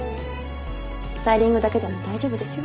スタイリングだけでも大丈夫ですよ。